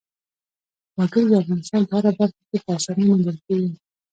وګړي د افغانستان په هره برخه کې په اسانۍ موندل کېږي.